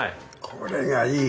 これがいい。